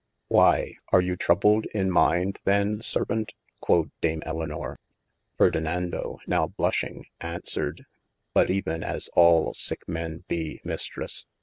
Why ? are you troubled in mind, the servant quod dame Elynor ? Ferdinando now blushing answered, but even as al sick men be Mistresse.